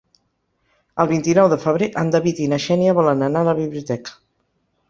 El vint-i-nou de febrer en David i na Xènia volen anar a la biblioteca.